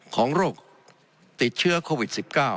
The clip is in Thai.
โรคติดเชื้อโควิด๑๙